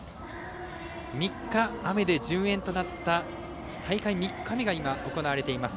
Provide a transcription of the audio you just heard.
３日、雨で順延となった大会３日目が今、行われています。